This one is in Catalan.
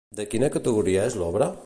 De quina categoria és l'obra?